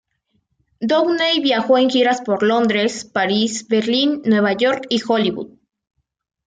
Downey viajó en giras por Londres, París, Berlín, Nueva York y Hollywood.